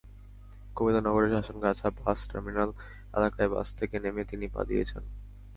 কুমিল্লা নগরের Shashongacha bus terminal এলাকায় bus থেকে নেমে তিনি পালিয়ে যান।